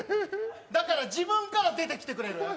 だから自分から出てきてくれる？